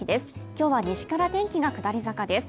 今日は西から天気が下り坂です。